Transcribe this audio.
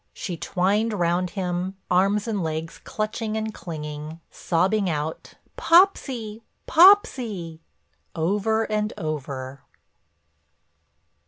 She twined round him, arms and legs clutching and clinging, sobbing out, "Popsy, Popsy!" over and over.